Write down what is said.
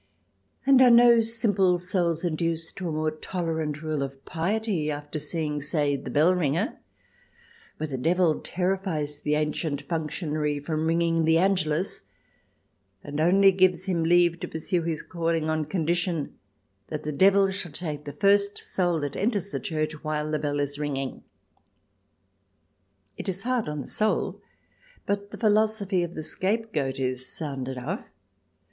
And are no simple souls induced to a more tolerant rule of piety after seeing, say, "The Bellringer," where the devil terrifies the ancient functionary from ringing the Angelus, and only gives him leave to pursue his calling on condition that the devil shall take the first soul that enters the church while the bell is ringing ? It is hard on the soul, but the philosophy of the scapegoat is sound enough.